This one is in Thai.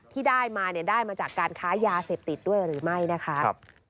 ที่ได้มาเนี่ยได้มาจากการค้ายาเสพติดด้วยหรือไม่นะคะ